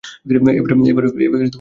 এবার তো ছাড়ো!